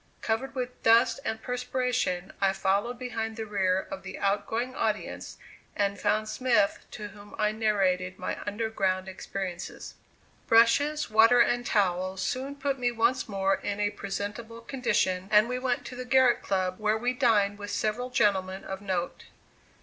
Covered with dust and perspiration I followed behind the rear of the out going audience and found Smith, to whom I narrated my under ground experiences. Brushes, water and towels soon put me once more in presentable condition and we went to the Garrick Club where we dined with several gentlemen of note.